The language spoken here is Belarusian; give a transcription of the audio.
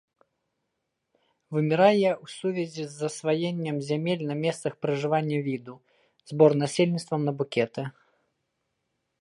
Вымірае ў сувязі з засваеннем зямель на месцах пражывання віду, збор насельніцтвам на букеты.